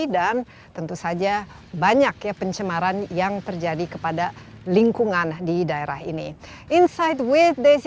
dan tentu saja banyak ya pencemaran yang terjadi kepada lingkungan di daerah ini inside with desi